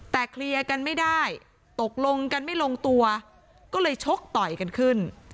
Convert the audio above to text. แต่เคลียร์กันไม่ได้ตกลงกันไม่ลงตัวก็เลยชกต่อยกันขึ้น